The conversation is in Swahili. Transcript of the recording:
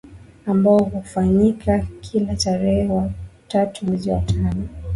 ambayo hufanyika kila tarehe tatu Mwezi wa tano